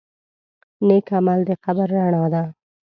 نیک عمل د قبر رڼا ده.